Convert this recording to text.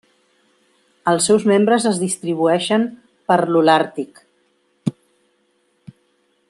Els seus membres es distribueixen per l'Holàrtic.